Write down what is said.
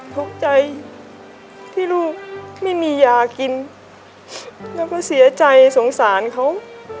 ทุกข์ใจที่ลูกไม่มียากินแล้วก็เสียใจสงสารเขา